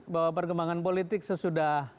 bahwa perkembangan politik sesudah